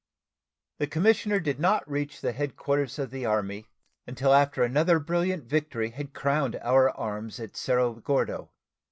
The commissioner did not reach the headquarters of the Army until after another brilliant victory had crowned our arms at Cerro Gordo.